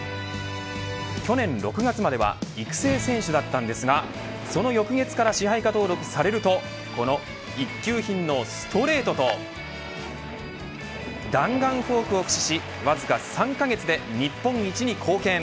去年６月までは育成選手だったんですがその翌月から支配下登録されるとこの一級品のストレートと弾丸フォークを駆使しわずか３カ月で日本一に貢献。